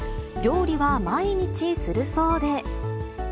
料理は毎日するそうで。